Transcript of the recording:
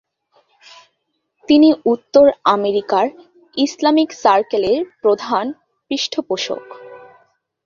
তিনি উত্তর আমেরিকার ইসলামিক সার্কেলের প্রধান পৃষ্ঠপোষক।